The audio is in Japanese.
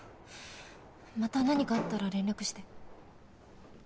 また何かあったら連絡して。